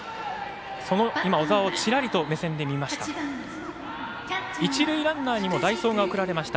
その小澤をちらりと目線で見ました。